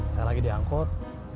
saya lagi diangkut